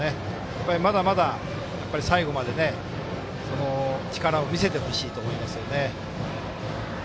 まだまだ、最後まで力を見せてほしいと思いますよね。